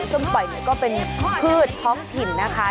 ส้มปล่อยก็เป็นพืชท้องถิ่นนะคะ